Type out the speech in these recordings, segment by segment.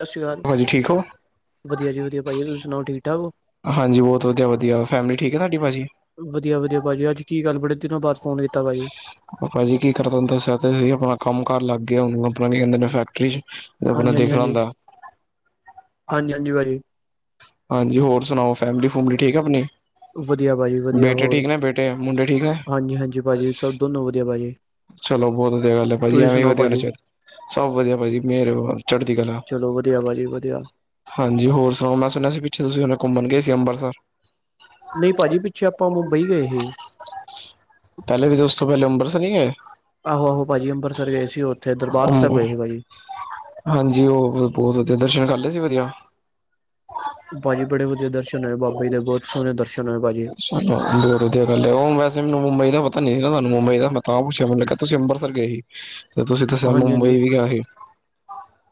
ਸਤਿ ਸ਼੍ਰੀ ਅਕਾਲ ਭਾਜੀ ਠੀਕ ਹੋ? ਵਧੀਆ ਜੀ ਵਧੀਆ ਭਾਜੀ ਤੁਸੀ ਸੁਨਾਉ ਠੀਕ ਠਾਕ ਹੋ। ਹਾਂਜੀ, ਬਹੁਤ ਵਧੀਆ ਵਧੀਆ ਫੈਮਲੀ ਠੀਕ ਹੈ ਤਾਡੀ ਭਾਜੀ। ਵਧੀਆ ਵਦੀਆ ਭਾਜੀ, ਅੱਜ ਕੀ ਗੱਲ ਬੜੇ ਦਿਨਾਂ ਬਾਅਦ ਫੋਨ ਕੀਤਾ ਬਾਈ। ਆਪਾਂ ਜੀ ਕੀ ਕਰ ਤੁਹਨੂੰ ਦੱਸਿਆ ਤੇ ਆਪਣਾ ਕੰਮ ਕਾਰ ਲੱਗ ਗਿਆ ਉਹਨੂੰ ਆਪਣਾ ਕਹਿੰਦੇ ਨੇ ਫੈਕਟਰੀ ਚ [unintelligible] ਹਾਂਜੀ, ਹਾਂਜੀ, ਦੇਖਣਾ ਹਾਂਜੀ, ਹੁੰਦਾ ਹਾਂਜੀ, ਹਾਂਜੀ ਵੈਰੀ ਹਾਂਜੀ, ਹੋਰ ਸੁਣਾਓ ਫੈਮਲੀ ਫੂਮਲੀ ਠੀਕ ਏ ਆਪਣੀ। ਵਧੀਆ ਬਾਈ ਵਧੀਆ ਬੇਟੇ ਹੋਰ ਠੀਕ ਨੇ ਬੇਟੇ ਮੁੰਡੇ ਠੀਕ ਨੇ? ਹਾਂਜੀ ਹਾਂਜੀ ਭਾਜੀ ਸਬ ਦੋਨੋਂ ਵਧੀਆ ਭਾਜੀ। ਚਲੋ, ਬੌਤ ਵਦੀਆ ਗੱਲ ਏ ਭਾਜੀ ਤੁਸੀਂ ਐਵੇਂ ਏ ਸੁਣਾਓ ਵਧੀਆ ਹੋਣਾ ਭਾਜੀ ਚਾਈਦਾ। ਸਭ ਵਧੀਆ ਭਾਜੀ, ਮੇਰ ਏ ਬਸ, ਚੜ੍ਹਦੀ ਕਲਾ। ਲੋ ਵਧੀਆ ਬਾਜੀ ਵਧੀਆ। ਹਾਂਜੀ, ਹੋਰ ਸੁਣਾਓ ਮੈਂ ਸੁਣਿਆ ਸੀ ਪਿੱਛੇ ਤੁਸੀਂ ਹੁਣੇ ਘੁੰਮਣ ਗਏ ਸੀ ਅੰਬਰਸਰ। ਨਹੀਂ ਭਾਜੀ, ਪਿੱਛੇ ਆਪਾਂ ਮੁੰਬਈ ਗਏ ਹੀ। ਪੈਲੇ ਵੀ ਤੇ ਉਸ ਤੋਂ ਪੈਲੇ ਅੰਬਰਸਰ ਨਹੀਂ ਏ। ਆਹੋ ਆਹੋ ਭਾਜੀ ਅੰਬਰਸਰ ਗਏ ਸੀ ਉੱਥੇ ਦਰਬਾਰ ਸਾਹਿਬ [unintelligible] ਗਏ ਸੀ ਬਾਈ ਹਾਂਜੀ ਓ ਹੁ ਬਹੁਤ ਵਦੀਆ, ਦਰਸ਼ਨ ਕਰਲੇ ਸੀ ਵਧੀਆ? ਭਾਜੀ, ਬੜੇ ਵਧੀਆ ਦਰਸ਼ਨ ਹੋਏ ਬਾਬਾ ਜੀ ਦੇ ਬਹੁਤ ਸੋਹਣੇ ਦਰਸ਼ਨ ਹੋਏ ਭਾਜੀ। ਬੌਤ ਵਦੀਆ ਗੱਲ ਏ, ਓ ਵੈਸੇ ਵੀ ਮੈਨੂੰ ਪਤਾ ਨਹੀਂ ਲੱਗਿਆ ਮਾਮਾ ਜੀ ਦਾ ਮੈਂ ਤਾਂ ਪੁੱਛਿਆ ਤੁਸੀਂ ਅੰਬਰਸਰ ਗਏ ਸੀ। ਤੇ ਤੁਸੀਂ ਤਾਂ ਸਾਨੂੰ ਮੁੰਬਈ ਵੀ ਆਹੇ।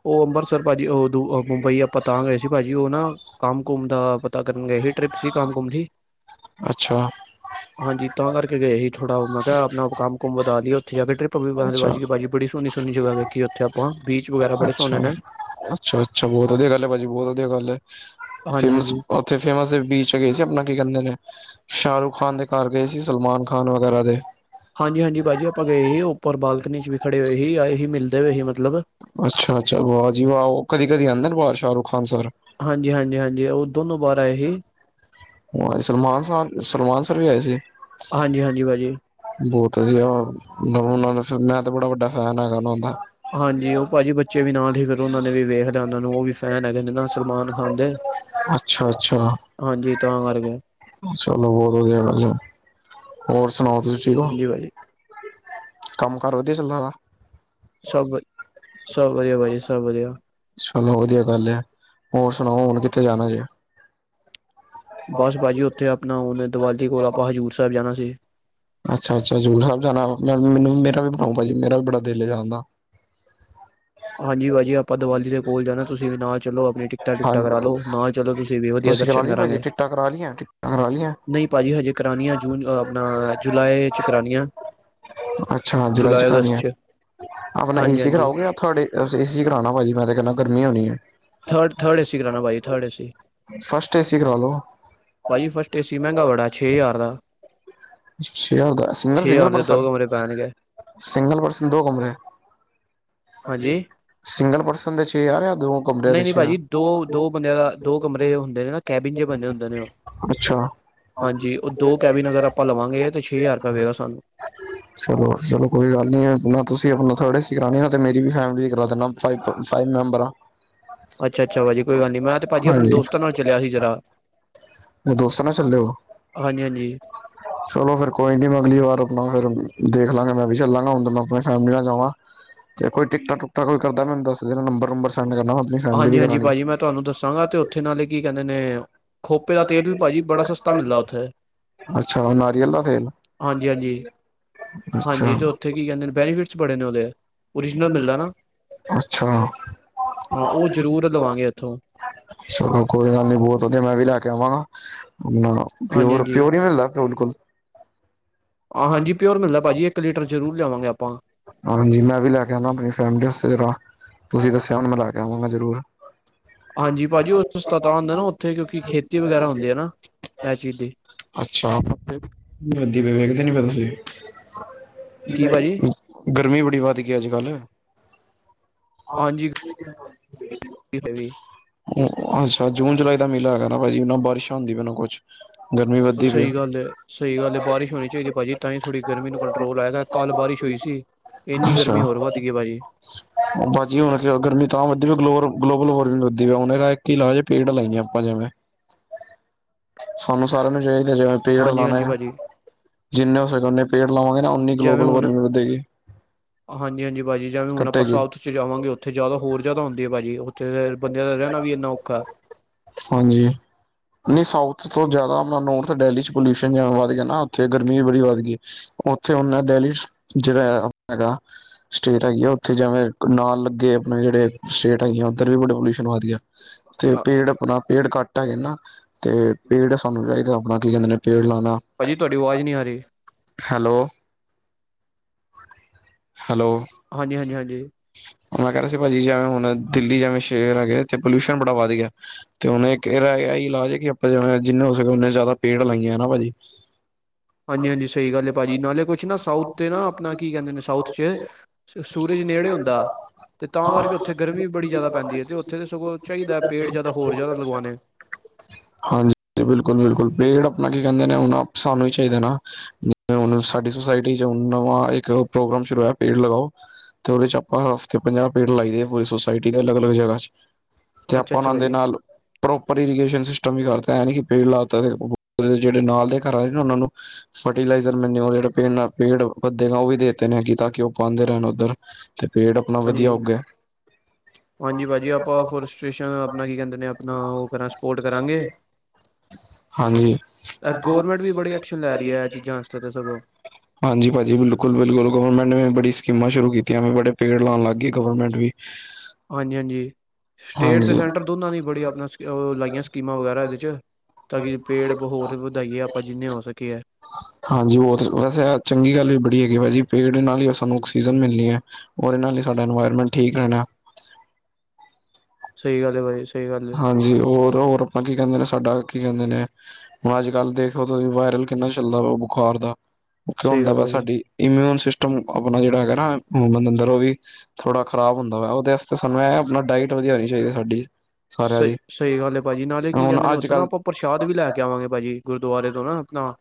ਓ ਅੰਬਰਸਰ ਭਾਜੀ ਓਦੋ ਮੁੰਬਈ ਆਪਾਂ ਤਾਂ ਗਏ ਸੀ ਭਾਜੀ ਉਹ ਨਾ ਕੰਮ ਕੁੰਮ ਦਾ ਟ੍ਰਿਪ ਸੀ ਕੰਮ ਕੁਮ ਦੀ, ਅੱਛਾ ਹਾਂਜੀ ਤਾਂ ਕਰਕੇ ਗਏ ਹੀ। ਥੋੜਾ ਮੈਂ ਕਿਹਾ ਆਪਣਾ ਕੰਮ ਕੁੰਮ ਬਤਾ ਦੀ ਉੱਥੇ ਜਾ ਕੇ ਟਰਿਪ ਵੀ [unintelligible] ਅੱਛਾ ਵੱਜ ਗੀ ਬੜੀ ਸੋਣੀ ਸੋਣੀ ਜਗਾਹ ਵੇ। ਕੀ ਉੱਥੇ ਆਪਾਂ ਬੀਚ ਵਗੈਰਾ ਬੜੇ ਅੱਛਾ, ਸੋਹਣੇ ਨੇ ਅੱਛਾ, ਅੱਛਾ ਬਹੁਤ ਵਧੀਆ ਗੱਲ ਏ ਭਾਜੀ ਬਹੁਤ ਵਧੀਆ ਗੱਲ ਏ ਹਾਂਜੀ ਫਿਰ ਹਾਂਜੀ [unintelligible] ਤੇ ਫੇਮਸ ਏ ਬੀਚ ਪੇ ਗਏ ਸੀ ਆਪਣਾ ਕੀ ਕਹਿੰਦੇ ਨੇ। ਸ਼ਾਹਰੁ ਖਾਨ ਦੇ ਘਰ ਗਏ ਸੀ ਸਲਮਾਨ ਖਾਨ ਵਗੈਰਾ ਦੇ। ਹਾਂਜੀ, ਹਾਂਜੀ ਭਾਜੀ ਆਪਾਂ ਗਏ ਈ ਉੱਪਰ ਬਾਲਕਨੀ ਚ ਵੀ ਖੜੇ ਹੋਏ ਹੀ ਆਏ ਹੀ ਮਿਲਦੇ ਪਏ ਹੀ ਮਤਲਬ ਅੱਛਾ, ਅੱਛਾ ਵਾਹ ਜੀ ਵਾਹ ਓ ਕਦੀ ਕਦੀ ਆਂਦੇ ਨੇ ਵਾ ਸ਼ਾਹਰੁਖ ਖਾਨ ਸਰ। ਹਾਂਜੀ, ਹਾਂਜੀ, ਹਾਂਜੀ ਉਹ ਦੋਨੋਂ ਬਾਹਰ ਆਏ ਹੀ। ਸਲਮਾਨ ਸਾਨ ਸਨਮਾਨ ਸਰ ਵੀ ਆਏ ਸੀ। ਹਾਂਜੀ ਹਾਂਜੀ ਭਾਜੀ ਬਹੁਤ ਹੀ ਆ [unintelligible] ਲਹੂ ਨਾਲ ਮੈਂ ਤਾਂ ਬੜਾ ਵੱਡਾ ਫੈਨ ਹੈਗਾ ਨਾ ਔਂਦਾ। ਹਾਂਜੀ, ਓ ਭਾਜੀ ਬੱਚੇ ਵੀ ਨਾਲ ਈ ਫਿਰ ਉਹਨਾਂ ਨੂੰ ਵੀ ਵੇਖ ਜਾਨਾ ਨੂੰ ਉਹ ਵੀ ਫੈਨ ਹੈਗੇ ਨੇ ਨਾ ਸਲਮਾਨ ਖਾਨ ਦੇ ਅੱਛਾ ਅੱਛਾ ਹਾਂਜੀ ਤਾਂ ਮਰ ਗਏ। [unintelligible] ਹੋਰ ਸੁਣਾਓ ਤੁਸੀਂ ਠੀਕ ਓ। ੀ [unintelligible] ਕੰਮ ਕਾਰ ਵਧੀਆਂ ਚੱਲਦਾ ਥਾ। ਸਭ ਵ- ਸਭ ਵਧੀਆ ਭਾਜੀ ਸਭ ਵਧੀਆ ਚਲੋਂ ਵਧੀਆਂ ਗੱਲ ਐ ਹੋਰ ਸੁਣਾਓ ਹੁਣ ਕਿੱਥੇ ਜਾਣਾਂ ਜੇ। ਬਸ ਭਾਜ਼ੀ ਉੱਥੇ ਆਪਣਾਂ ਉਨ ਏ ਦੀਵਾਲ਼ੀ ਕੋਲ ਆਪਾਂ ਹਜ਼ੂਰ ਸਾਹਿਬ ਜਾਣਾ ਸੀ। ਅੱਛਾ, ਅੱਛਾ ਹਜ਼ੂਰ ਸਾਹਿਬ ਜਾਣਾਂ ਵਾ ਮੈਨੂੰ ਵੀ ਮੇਰਾ ਵੀ ਬਣਾਉ ਮੇਰਾ ਵੀ ਬੜਾ ਦਿਲ ਏ ਜਾਣ ਦਾ। ਹਾਂਜੀ ਭਾਜੀ ਆਪਾਂ ਦੀਵਾਲੀ ਦੇ ਕੋਲ ਜਾਣਾ ਤੁਸੀਂ ਵੀ ਨਾਲ ਚਲੋ ਆਪਣੀਆਂ ਟਿਕਟਾਂ ਟੁਕਟਾਂ ਕਰਾਂ ਹਾਂਜੀ ਲਓ ਨਾਲ਼ ਚਲੋ ਤੁਸੀਂ ਵੀ ਵਧੀਆ ਕਰਾ ਦਰਸ਼ਨ ਲਈ ਭਾਜੀ ਕਰਾਂਗੇ ਟਿਕਟਾਂ ਕਰਾ ਲਈਆਂ ਟਿਕਟਾਂ ਕਰਾ ਲਈਆਂ ਨਈ ਭਾਜੀ ਹਜੇ ਕਰਾਨੀਆਂ ਜੂਨ ਚ ਆਪਣਾ ਜੁਲਾਈ ਚ ਕਰਾਨੀਆ। ਅੱਛਾ, ਜੁਲਾਈ ਚ ਕਰਾਣੀਆਂ ਆਪਣਾਂ ਹਾਂਜੀ ਏਸੀ ਹਾਂਜੀ ਕਰਾਓਗੇ ਅਪ। ਤੁਹਾਡੇ ਏ ਸੀ ਕਰਾਣਾ ਭਾਜੀ ਮੈਂ ਤੇ ਕੇਨਾਂ ਗਰਮੀਂ ਹੋਣੀਂ ਏ। ਥਰਡ ਥਰਡ ਏਸੀ ਕਰਾਣਾ ਭਾਜੀ ਥਰਡ ਏਸੀ ਫਸਟ ਏਂ ਸੀ ਕਰਾਲੋ। ਭਾਜੀ, ਫਸਟ ਏਂ ਸੀ ਮਹਿੰਗਾ ਬੜਾ ਛੇ ਹਜ਼ਾਰ ਦਾ। ਛੇ ਜਾਰ ਦਾ ਸਿੰਗਲ ਛੇ ਸਿੰਗਲ ਹਜ਼ਾਰ ਦੇ ਦੋ ਪਰਸਨ ਕਮਰੇ ਪੈਣਗੇ ਸਿੰਗਲ ਪਰਸਨ ਦੋ ਕਮਰੇ। ਹਾਂਜੀ ਸਿੰਗਲ ਪਰਸਨ ਦੇ ਛੇ ਜਾਰ ਯਾ ਦੋ। ਕਮਰਿਆਂ ਦੇ ਨਹੀਂ, ਨਹੀਂ ਛੇ ਹਜ਼ਾਰ ਭਾਜੀ ਦੋ, ਦੋ ਬੰਦਿਆਂ ਦਾ ਦੋ ਕਮਰੇ ਹੁੰਦੇ ਨੇ ਨਾ ਕੈਬਿਨ ਜਿਹੇ ਹੁੰਦੇ ਨੇ ਉ। ਅੱਛਾ ਹਾਂਜੀ ਉਹ ਦੋ ਕੈਬਨ ਅਗਰ ਆਪਾਂ ਲਵਾਂਗੇ ਤੇ ਛੇ ਹਜ਼ਾਰ ਰੁਪਇਆ ਪਏਗਾ ਸਾਨੂੰ। ਚਲੋ, ਚਲੋ ਕੋਈ ਗੱਲ ਨੀ ਨਾ ਤੁਸੀਂ ਹੁਣ ਥੋੜੇ ਸਿਆਣੇ ਆ ਤੇ ਮੇਰੀ ਵੀ ਫੈਮਿਲੀ ਦੀ ਕਰਾਦੋ। ਫ ਫਾਈਵ ਮੈਂਬਰ ਆ [unintelligible] ਅੱਛਾ -ਅੱਛਾ ਭਾਜੀ ਕੋਈ ਗੱਲ ਨਹੀਂ ਮੈਂ ਭਾਜੀ ਆਪਣੇ ਦੋਸਤ ਨਾਲ ਚਲਿਆ ਸੀ ਜਰਾ ਦੋਸਤ ਨਾ ਚੱਲੇ ਓ। ਹਾਂਜੀ ਹਾਂਜੀ ਚਲੋ ਫਿਰ ਕੋਈ ਨਹੀਂ ਅਗਲੀ ਵਾਰ ਆਪਣਾ ਫਿਰ ਦੇਖ ਲਾਂਗੇ ਮੈਂ ਵੀ ਆਪਣੀ ਫੈਮਲੀ ਨਾਲ ਜਾਵਾਂ। ਚਲ ਕੋਈ ਟਿਕਟਾਂ ਟੁਕਟਾ ਕੋਈ ਕਰਦਾ ਮੈਨੂੰ ਦੱਸ ਦੇਣਾ ਨੰਬਰ ਨੁਬਰ ਸੈਂਡ ਕਰਨਾ ਵਾ। ਹਾਂਜੀ- ਹਾਂਜੀ ਭਾਜੀ ਮੈਂ ਤੁਹਾਨੂੰ ਦੱਸਾਂਗਾ। ਥੇ ਨਾਲੇ ਕੀ ਕਹਿੰਦੇ ਨੇ ਖੋਪੇ ਦਾ ਤੇਲ ਵੀ ਭਾਜੀ ਬੜਾ ਸਸਤਾ ਮਿਲਦਾ। ਅੱਛਾ ਨਾਰੀਅਲ ਦਾ ਤੇਲ ਹਾਂਜੀ-ਹਾਂਜੀ, ਹਾਂਜੀ ਹਾਂਜੀ ਅੱਛਾ ਤੇ ਉੱਥੇ ਕੀ ਕਹਿੰਦੇ ਨੇ ਬੈਨੀਫਿਟਸ ਬੜੇ ਨੇ ਉਹਦੇ ਓਰੀਜਨਲ ਮਿਲਦਾ ਨਾ। ਅੱਛਾ ਹਾਂ ਉਹ ਜ਼ਰੂਰ ਲਵਾਂਗੇ ਐਥੋਂ ਅੱਛਾ ਚਲੋ ਕੋਈ ਗੱਲ ਨੀ ਬਹੁਤ ਵਧੀਆਂ ਮੈਂ ਵੀ ਲੈ ਕੇ ਆਵਾਂਗਾ ਹੁਣ ਪਿਓਰ ਹਾਂਜੀ-ਹਾਂਜੀ -ਪਿਓਰ ਈ ਮਿਲਦਾ ਬਿਲਕੁਲ ਹਾਂ ਹਾਂਜੀ ਪਿਓਰ ਮਿਲਦਾ ਭਾਜੀ ਇੱਕ ਲੀਟਰ ਜ਼ਰੂਰ ਲਿਆਵਾਂਗੇ ਆਪਾਂ ਹਾਂਜੀ ਮੈਂ ਵੀ ਲੈ ਕੇ ਆਣਾ ਆਪਣੀ ਫੈਮਿਲੀ ਆਸਤੇ ਤੁਸੀਂ ਦੱਸਿਆ ਹੁਣ ਮੈਂ ਲੈ ਕੇ ਆਵਾਂਗਾ ਜ਼ਰੂਰ ਹਾਂਜੀ ਭਾਜੀ ਉਹ ਸਸਤਾ ਤਾ ਉੱਥੇ ਕਿਉਂਕਿ ਖੇਤੀ ਵਗੈਰਾ ਹੁੰਦੀ ਹੈ ਨਾ ਇਹ ਚੀਜ਼ ਦੀ ਅੱਛਾ ਕੀ [unintelligible] ਭਾਜੀ ਗਰਮੀ ਬੜੀ ਵੱਧ ਗਈ ਅੱਜ਼ ਕੱਲ [unintelligible] ਹਾਂਜੀ ਵੀ ਅ ਜੂਨ ਜੁਲਾਈ ਦਾ ਮੇਲਾ ਹੈਗਾ ਨਾ ਭਾਜੀ ਨਾਂ ਬਾਰਿਸ਼ ਹੁੰਦੀ ਪਈ ਨਾ ਕੁਛ ਗਰਮੀ ਵੱਧਦੀ ਪਈ ਸਹੀ ਗੱਲ ਏ। ਸਹੀ ਗੱਲ ਏ ਬਾਰਿਸ਼ ਹੋਣੀ ਚਾਹੀਦੀ ਭਾਜੀ ਤਾਂ ਹੀ ਥੋੜੀ ਗਰਮੀ ਨੂੰ ਕੰਟਰੋਲ ਆਏਗਾ ਕੱਲ ਬਾਰਿਸ਼ ਹੋਈ ਸੀ। ਇੰਨੀ ਗਰਮੀ ਹੋਰ ਵੱਧ ਗਈ ਭਾਜੀ। ਬਾਜੀ ਹੁਣ ਗਰਮੀ ਤਾਂ ਵੱਧਦੀ ਵੀ ਗਲੋਬਲ- ਗਲੋਬਲ ਵਾਰਮਿੰਗ ਵਧਦੀ ਹੈ ਉਹਨੇ ਦਾ ਇੱਕ ਇਲਾਜ਼ ਏ। ਪੇੜ ਲਾਈਏ ਆਪਾਂ ਜਿਵੇਂ ਸਾਨੂੰ ਸਾਰਿਆਂ ਨੂੰ ਚਾਹੀਦਾ ਜਿਵੇਂ ਪੇੜ ਲਾਣੇ ਹਾਂਜੀ-ਹਾਂਜੀ ਭਾਜੀ ਜਿੰਨੇ ਹੋ ਸਕਨ ਉਨੇ ਪੇੜ ਲਾਵਾਂਗੇ ਨਾ ਉਨੀ ਜਿਵੇਂ ਗਲੋਬਲ ਹੁਣ ਵਾਰਮਿੰਗ ਵਧੇਗੀ ਹਾਂਜੀ -ਹਾਂਜੀ ਭਾਜੀ ਜਿਵੇਂ ਹੁਣ ਆਪਾਂ ਘਟੇਗੀ ਸਾਲ ਜਿਥੇ ਜਾਵਾਂਗੇ ਉੱਥੇ ਜ਼ਿਆਦਾ ਹੋਰ ਜ਼ਿਆਦਾ ਹੁੰਦੀ ਹੈ ਭਾਜੀ ਉੱਥੇ ਬੰਦਿਆਂ ਦਾ ਰਹਿਣਾਂ ਵੀ ਇੰਨਾ ਔਖਾ ਹਾਂਜੀ ਨਹੀਂ ਸਾਊਥ ਤੋਂ ਜ਼ਿਆਦਾ ਆਪਣਾ ਨੋੌਰਥ ਡੈਲੀ 'ਚ ਪੋਲਿਊਸ਼ਨ ਵੱਧ ਗਿਆ ਨਾ ਉੱਥੇ ਗਰਮੀ ਵੀ ਬੜੀ ਵੱਧ ਗਈ। ਉਥੇ ਹੁਣ ਡੈਲੀ ਜਿਹੜਾ ਹੈਗਾ। ਸਟੇਟ ਹੈਗੀ ਆ ਉੱਥੇ ਜਿਵੇਂ ਨਾਲ ਲੱਗੇ ਆਪਣੇ ਜਿਹੜੇ ਸਟੇਟ ਹੈਗੀ ਆ। ਧਰ [unintelligible] ਵੀ ਬੜਾ ਪੋਲਿਊਸ਼ਨ ਵਧ ਗਿਆ ਤੇ ਅ, ਪੇੜ ਆਪਣਾ ਪੇੜ ਘੱਟ ਹੈਗੇ ਨਾ। ਤੇ ਪੇੜ ਸਾਨੂੰ ਚਾਹੀਦਾ ਆਪਣਾ ਕੀ ਕਹਿੰਦੇ ਨੇ ਪੇੜ ਲਾਣਾ। ਭਾਜੀ ਤੁਹਾਡੀ ਆਵਾਜ਼ ਨਹੀਂ ਆ ਰਹੀ। ਹੈਲੋ- ਹੈਲੋ ਹਾਂਜੀ- ਹਾਂਜੀ- ਹਾਂਜੀ ਮੈਂ ਕਹਿ ਰਿਹਾ ਸੀ ਭਾਜੀ ਜਿਵੇਂ ਹੁਣ ਦਿੱਲੀ ਜਿਵੇਂ ਸੇਹਰ ਹੈਗੇ ਪੋਲਿਊਸ਼ਨ ਬੜਾ ਵੱਧ ਗਿਆ। ਤੇ ਉਹਨੇ ਇਕ ਰੇਰਾ ਇਹੀ ਇਲਾਜ ਹੈ ਕਿ ਆਪਾਂ ਜ ਜਿੰਨੇ ਹੋ ਸਕੇ ਓਹਨੇ ਜ਼ਿਆਦਾ ਪੇੜ ਲਾਈਏ ਹਨਾ ਭਾਜੀ। [unintelligible] ਹਾਂਜੀ-ਹਾਂਜੀ ਸਹੀ ਗੱਲ ਹੈ ਭਾਜੀ ਨਾਲੇ ਕੁਛ ਨਾ ਸਾਊਥ ਤੇ ਨਾ ਆਪਣਾ ਕੀ ਕਹਿੰਦੇ ਨੇ ਸਾਊਥ 'ਚ ਸੂ ਸੂਰਜ ਨੇੜੇ ਹੁੰਦਾ ਤੇ ਤਾਂ ਕਰਕੇ ਉੱਥੇ ਗਰਮੀ ਬੜੀ ਜ਼ਿਆਦਾ ਪੈਂਦੀ ਏ ਤੇ ਉੱਥੇ ਤਾਂ ਸਗੋਂ ਚਾਹੀਦਾ ਐਹ ਪੇੜ ਜਿਆਦਾ ਹੋਰ ਜ਼ਿਆਦਾ ਲੱਗਵਾਨੇ। ਹਾਂਜੀ ਬਿਲਕੁਲ-ਬਿਲਕੁਲ ਪੇੜ ਆਪਣਾ ਕੀ ਕਹਿੰਦੇ ਨੇ ਉਹ ਅ ਸਾਨੂੰ ਹੀ ਚਾਹੀਦਾ ਨਾ। ਜਿਵੇਂ ਹੁਣ ਸਾਡੀ ਸੁੋਸਾਇਟੀ 'ਚ ਹੁਣ ਨਵਾਂ ਇੱਕ ਪ੍ਰੋਗਰਾਮ ਸ਼ੁਰੂ ਹੋਇਆ ਪੇੜ ਲਗਾਉ। ਤੇ ਉਹਦੇ 'ਚ ਆਪਾਂ ਹਫ਼ਤੇ ਪੰਜਾਹ ਪੇੜ ਲਾਈ ਦੇ ਪੂਰੇ ਸੋਸ ਪਈ ਟੀ ਦੇ ਅਲੱਗ- ਅਲੱਗ ਸ਼ਹਿਰਾ 'ਚ ਤੇ ਅੱਛਾ ਆਪਾਂ ਅੱਛਾ ਉਹਨਾਂ ਦੇ ਭਾਜੀ ਨਾਲ ਪ੍ਰੋਪਰ ਇਰੀਗੇਸ਼ਨ ਸਿਸਟਮ ਵੀ ਕਰਤਾ ਐਹ ਨੀ ਕਿ ਪੇੜ ਲਾਤਾ ਤੇ ਪ ਓਹ ਜਿਹੜੇ ਨਾਲ ਦੇ ਘਰਾਂ 'ਚ ਉਹਨਾਂ ਨੂੰ ਫਰਟੀਲਾਈਜ਼ਰ ਮੈਨੂ ਉਹ ਜਿਹੜੇ ਪੇ ਪੇੜ ਵੱਧਗਾ ਉਹ ਵੀ ਦੇਤੇ ਨੇ ਤਾਂ ਕਿ ਉਹ ਪਾਂਦੇ ਰਹਿਣ ਉੱਧਰ ਤੇ ਪੇੜ ਆਪਣਾ ਹਾਂਜੀ ਵਧੀਆ ਉਗੇ। ਹਾਂਜੀ ਭਾਜੀ। ਆਪਾਂ ਫੋਰਟ੍ਰ ਸਟੇਸਨ ਆਪਣਾ ਕੀ ਕਹਿੰਦੇ ਨੇ, ਆਪਣਾ ਉਹ ਕਰਾਂ ਸਪੋਰਟ ਕਰਾਂਗੇ। ਹਾਂਜੀ। ਗੌਰਮੈਂਟ ਵੀ ਬੜੀ ਐਕਸ਼ਨ ਲੈ ਰਹੀਂ ਹੈ ਇਹ ਚੀਜ਼ਾਂ ਵਾਸਤੇ ਸਗੋਂ। ਹਾਂਜੀ ਭਾਜੀ। ਬਿਲਕੁਲ- ਬਿਲਕੁਲ ਗਵਰਮੈਂਟ ਨੇ ਬੜੀਆਂ ਸਕੀਮਾਂ ਸ਼ੁਰੂ ਕੀਤੀਆਂ ਬੜੇ ਪੇੜ ਲਾਉਂਣ ਲੱਗ ਪਈ ਗੌਰਮਿਂਟ ਵੀ। ਹਾਂਜੀ- ਹਾਂਜੀ ਸਟੇਟ ਤੇ ਹਾਂਜੀ। ਸੈਂਟਰ ਦੋਨਾਂ ਦੀ ਬੜੀ ਆਪਣਾਂ ਲਾਈਆਂ ਸਕੀਮਾਂ ਵਗੈਰਾ ਇਹਦੇ 'ਵਿੱਚ। ਤਾਂ ਕਿ ਪੇੜ ਹੋਰ ਵਧਾਈਐ ਆਪਾਂ ਜਿੰਨੇ ਹੋ ਸਕੇਗਾ। ਹਾਂਜੀ। ਉਹ ਤਾਂ ਵੈਸੇ ਚੰਗੀ ਗੱਲ ਵੀ ਬੜੀ ਹੈਗੀ ਭਾਜੀ ਪੇੜ ਨਾਲ ਹੀ ਸਾਨੂੰ ਆਕਸੀਜਨ ਮਿਲਣੀ ਹੈ। ਔਰ ਇਹਨਾਂ ਲਈ ਸਾਡਾ ਇਨਵਾਇਰਮੈਂਟ ਠੀਕ ਰਹਿਣਾ। ਸਹੀ ਗੱਲ ਹੈ ਭਾਜੀ ਸਹੀ ਗੱਲ ਹੈ ਹਾਂਜੀ। ਹੋਰ-ਹੋਰ ਆਪਾਂ ਕੀ ਕਹਿੰਦੇ ਨੇ, ਸਾਡਾ ਕੀ ਕਹਿੰਦੇ ਨੇ। ਹੁਣ ਅੱਜ-ਕੱਲ੍ਹ ਦੇਖੋਓ ਤੁਸੀਂ ਵਾਇਰਲ ਕਿੰਨਾ ਚੱਲਦਾ ਵਾਂ ਬੁਖਾਰ ਦਾ। ਉਹ ਕਿਉ ਸਹੀ ਹੁੰਦਾ ਗੱਲ ਵਾ ਹੈ ਸਾਡੀ ਇਮਿਊਨ ਸਿਸਟਮ ਅ ਆਪਣਾ ਜਿਹੜਾ ਹੈਗਾ ਨਾ, ਹਿਊਮਨ ਅੰਦਰ ਉਹ ਵੀ ਥੋੜਾ ਖ਼ਰਾਬ ਹੁੰਦਾ ਭਾਜੀ ਵਾ। ਉਹਦੇ ਆਸਤੇ ਸਾਨੂੰ ਐਹ ਆਪਣਾ ਡਾਇਟ ਵਧੀਆਉਣੀ ਚਾਹੀਦੀ ਆ ਸਾਡੀ। ਸਾਰਿਆਂ ਸਹੀ ਅ ਦੀ ਸਹੀ ਗੱਲ ਹੈ ਭਾਜੀ। ਨਾਲੇ ਕੀ ਹੁਣ ਕਹਿੰਦੇ ਨੇ, ਅੱਜ ਉੱਥੇ ਨਾ ਕੱਲ੍ਹ ਆਪਾਂ ਪ੍ਰਸ਼ਾਦ ਵੀ ਲੈ ਕੇ ਆਵਾਂਗੇ ਭਾਜੀ। ਗੁਰਦੁਆਰੇ ਤੋਂ ਨਾ ਆਪਣਾ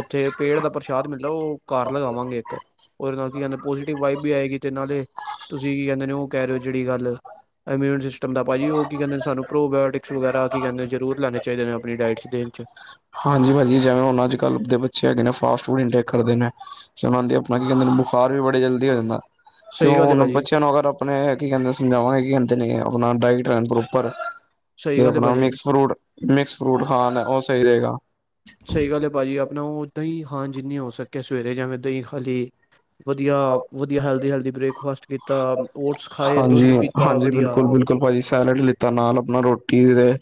ਉੱਥੇ ਪੇੜ ਦਾ ਪ੍ਰਸ਼ਾਦ ਮਿਲਦਾ। ਉਹ ਘਰ ਲਗਾਵਾਂਗੇ ਇੱਕ। ਉਹਦੇ ਨਾਲ ਕੀ ਕਹਿੰਦੇ ਪੋਜ਼ਟਿਵ ਵਾਈਬ ਵੀ ਆਏਗੀ। ਤੇ, ਨਾਲੇ ਤੁਸੀਂ ਕੀ ਕਹਿੰਦੇ ਨੇ ਉਹ ਕਹਿ ਰਹੇ ਹੋ ਜਿਹੜੀ ਗੱਲ ਇਮਿਊਨ ਸਿਸਟਮ ਦਾ ਭਾਜੀ ਉਹ ਕੀ ਕਹਿੰਦੇ ਸਾਨੂੰ ਪ੍ਰੋਬਾਇਓਟਿਕਸ ਵਗੈਰਾ ਕੀ ਕਹਿੰਦੇ ਜ਼ਰੂਰ ਲੈਣੇ ਚਾਹੀਏਦੇ ਨੇ। ਆਪਣੀ ਡਾਇਟਸ ਦੇਣ 'ਚ ਹਾਂਜੀ ਭਾਜੀ। ਜਿਵੇਂ ਹੁਣ ਅੱਜ- ਕੱਲ ਦੇ ਬੱਚੇ ਹੈਗੇ ਨੇ ਫਾਸਟ ਫੂਡ ਇਨਟੇਕ ਕਰਦੇ ਨੇ। ਚ' ਮੰਨਦੇ ਆ। ਆਪਣਾ ਕੀ ਕਹਿੰਦੇ ਬੁਖਾਰ ਵੀ ਬੜੇ ਜਲਦੀ ਹੋ ਜਾਂਦਾ। ਤੇ ਸਹੀ ਉਹ ਗੱਲ ਹੈ ਹੁਣ ਭਾਜੀ ਬੱਚਿਆਂ ਨੂੰ ਅਗਰ ਆਪ ਆਪਣੇ ਕੀ ਕਹਿੰਦੇ ਸਮਝਾਵਾਂਗੇ ਕੀ ਕਹਿੰਦੇ ਨੇ, ਆਪਣਾ ਡਾਇਟ ਲੈਣ ਪ੍ਰੋਪਰ ਸਹੀ ਤੇ ਗੱਲ ਹੈ ਆਪਣਾ ਭਾਜੀ ਮਿਕਸ ਫਰੂਟ, ਮਿਕਸ ਫਰੂਟ ਖਾਣ ਉਹ ਸਹੀ ਰਹੇਗਾ। ਸਹੀ ਗੱਲ ਹੈ ਭਾਜੀ। ਆਪਣਾ ਉਹ ਦਹੀਂ ਖਾਣ ਜਿੰਨੀ ਹੋ ਸਕੇ ਸਵੇਰੇ ਜਿਵੇਂ ਦਹੀਂ ਖਾ ਲਈ। ਵਧੀਆ ਅ ਵਧੀਆ ਹੈਲਦੀ- ਹੈਲਦੀ ਬ੍ਰੇਕਫਾਸਟ ਕੀਤਾ। ਓਟਸ ਖਾਏ, ਦੁੱਧ ਪੀਤਾ ਵਧੀਆ। ਕੱਲ ਭਾਜੀ ਸੈਲਡ ਲਿੱਤਾ ਨਾਲ ਆਪਣਾ ਰੋਟੀ ਦੇ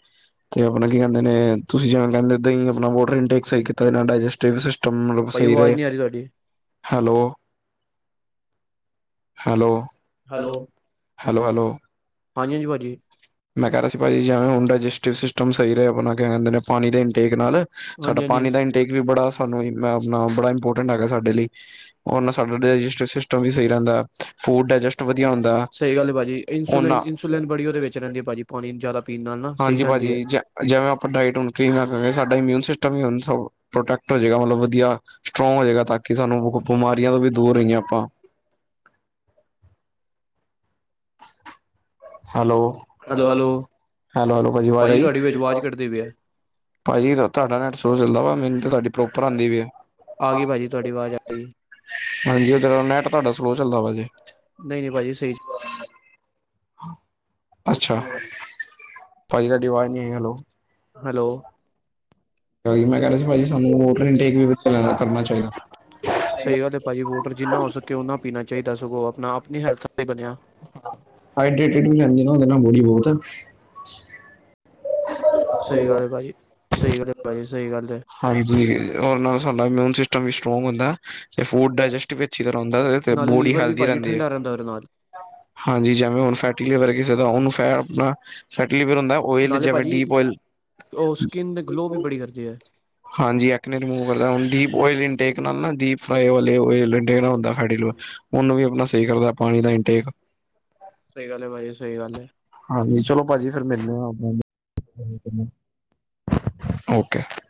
ਤੇ ਆਪਣਾ ਕੀ ਕਹਿੰਦੇ ਨੇ, ਤੁਸੀਂ ਜਿਵੇਂ ਕਹਿੰਦੇ ਦੇਈ ਆਪਣਾ ਵੋਟਰ ਇਨ ਇੱਕ ਸਹੀ ਕੀਤਾ ਏਦੇ ਨਾਲ ਡਾਇਜਸਟਟੀਵ ਸਿਸਟਮ ਮਤਲਬ ਭਾਜੀ ਸਹੀ ਰਹੇ। ਆਵਾਜ਼ ਨਹੀਂ ਆ ਰਹੀ ਤੁਹਾਡੀ hello, hello, hello, hello, hello, ਹਾਂਜੀ- ਹਾਂਜੀ ਭਾਜੀ। ਮੈ ਕਹਿ ਰਿਹਾ ਸੀ ਭਾਜੀਜਿਵੇਂ ਹੁੰਦਾ ਦਿੱਜਿੱਸਟ ਸਸਟਮ ਸਹੀ ਰਹੇ। ਆਪਣਾ ਕਹਿ ਦਿੰਦੇ ਨੇ ਪਾਣੀ ਦੇ ਭਾਜੀ ਇਨਟੇਕ ਨਾਲ, ਸਾਡਾ ਹਾਂਜੀ ਪਾਣੀ ਹਾਂਜੀ ਦਾ ਏਨ। ਟੇਕ ਵੀ ਬੜਾ ਸਾਨੂੰ ਈ ਮੈ ਆਪਣਾ ਬੜਾ ਇੰਪੋਰਟੈਂਟ ਹੈਗਾ ਸਾਡੇ ਲਈ। ਰ ਨਾਲ ਸਾਡਾ ਡਾਇਸਟਿ ਸਿਸਟਮ ਵੀ ਸਹੀ ਰਹਿੰਦਾ। ਫੂ ਡਾਇਜਸਟ ਵਧੀਆ ਹੁੰਦਾ। ਸਹੀ ਗੱਲ ਹੈ ਭਾਜੀ ਇੰਸੂਲਿਨ ਓਨਾ ਇੰਸੂਲਿਨ ਬੜੀ ਉਹਦੇ ਵਿੱਚ ਰਹਿੰਦੀ ਆ ਭਾਜੀ ਪਾਣੀ ਜ਼ਿਆਦਾ ਪੀਣ ਨਾਲ ਨਾ ਸਹੀ ਹਾਂਜੀ ਰਹਿੰਦੀ ਭਾਜੀ ਹੈ ਜੀ। ਜਿਵੇਂ ਆਪਾਂ ਡਾਇਟ ਸਾਡਾ ਇਮਿਊਨ ਸਿਸਟਮ ਵੀ ਪ੍ਰੋਟੈਕਟ ਹੋ ਜਾਏਗਾ ਮਤਲਬ ਵਧੀਆ। ਸਟਰੋਂਗ ਹੋ ਜਾਏਗਾ, ਤਾਂ ਕਿ ਸਾਨੂੰ ਬਿਮਾਰੀਆਂ ਤੋਂ ਵੀ ਦੂਰ ਰਹੀਏ ਆਪਾਂ ਹੈਲੋ, ਹੈਲੋ, ਹੈਲੋ ਭਾਜੀ ਆਵਾਜ਼ ਆਈ। ਤੁਹਾਡੀ ਵਿੱਚ ਆਵਾਜ਼ ਕੱਟਦੀ ਪਈ ਹੈ ਭਾਜੀ ਤੁਹਾਡਾ ਰਿਸੋਸਦਾ ਵਾ ਮੈਨੂੰ ਤਾਂ ਤੁਹਾਡੀ ਪ੍ਰੋਪਰ ਆਉਂਦੀ ਵੀ ਆ। ਆ ਗਈ ਭਾਜੀ ਤੁਹਾਡੀ ਆਵਾਜ਼ ਆ ਗਈ। ਹਾਂਜੀ। ਉਰ ਨੈਟ ਤੁਹਾਡਾ ਸਲੋਅ ਚੱਲਦਾ ਵਾ ਜੇ। ਨਹੀਂ- ਨਹੀਂ ਭਾਜੀ ਸਹੀ। ਅੱਛਾ। ਭਾਜੀ ਆਵਾਜ਼ ਨਹੀਂ ਹੈਲੋ, ਹੈਲੋ, ਮੈਂ ਕਹਿਹਾ ਸੀ ਭਾਜੀ ਸਾਨ ਮੋਟਰ ਇਨਟੇਕ ਕਰਨਾ ਚਾਹੀਦਾ। ਸਹੀ ਗੱਲ ਹੈ ਭਾਜੀ ਵੋਟਰ ਜਿੰਨਾ ਹੋ ਸਕੇ ਓਨਾ ਪੀਣਾ ਚਾਹੀਦਾ ਸਗੋਂ ਆਪਣਾ ਆਪਣੀ ਹੈਲਥ ਬਣਿਆ। ਹਾਈਡ੍ਰੇਟਡ ਵੀ ਜਾਂਦੀ ਨਾ ਬੋਡੀ ਬਹੁਤ ਹੈ। ਸਹੀ ਗੱਲ ਹੈ ਭਾਜੀ। ਸਹੀ ਗੱਲ ਭਾਜੀ ਸਹੀ ਗੱਲ। ਹਾਂਜੀ। ਨਾਲ ਸਾਡਾ ਇਮਿਊਨ ਸਿਸਟਮ ਵੀ ਸਟਰੋਂਗ ਹੁੰਦਾ। ਤੇ ਫੂਡ ਹੈ ਡਾਇਜੈਸਟ ਵਿਚ ਕਰਾਉਂਦਾ ਰਹੇ, ਨਾਲੇ ਬੋਡੀ ਲੀਵਰ ਵੀ ਹੈਲਥੀ ਭਾਜੀ ਰਹਿੰਦੀ ਹੈ ਠੰਡਾ ਰਹਿੰਦਾ ਉਹਦੇ ਨਾਲ ਹਾਂਜੀ! ਜਿਵੇਂ ਹੁਣ ਫੈਟੀਲੇਵਰ ਕਿਸੇ ਦਾ ਉਹਨੂੰ ਫੈ ਆਪਨਾ ਫੇਟਿਲੇਵਰ ਹੁੰਦਾ। ਓਇਲ, ਨਾਲੇ ਜਿਵੇਂ, ਭਾਜੀ ਡੀਪ ਓਇਲ। ਉਹ ਸਕਿੰਨ ਗਲੋਅ ਵੀ ਬੜੀ ਕਰਦੀ ਐ। ਹਾਂਜੀ! ਏਕਨੇ ਰਿਮੂਵ ਕਰਦਾ। ਡੀਪ ਓਏਲ ਇੰਟੇਕ ਨਾਲ ਨਾ ਡੀਪ ਫਰਾਏ ਵਾਲੇ ਓਇਲ੍ਹ ਲੈਣ ਨਾਲ ਹੁੰਦਾ ਫੈਟੀਲੀਵਰ। ਓਹਨੂੰ ਵੀ ਆਪਣਾ ਸਹੀ ਕਰਦਾ। ਪਾਣੀ ਦਾ ਇਨਟੇਕ। ਸਹੀ ਗੱਲ ਐ ਭਾਜੀ! ਸਹੀ ਗੱਲ ਐ। ਹਾਂਜੀ ਚਲੋ ਭਾਜੀ ਫਿਰ ਮਿਲ ਓਕੇ [unintelligible]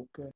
ਓਕੇ,